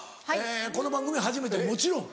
この番組初めてもちろん。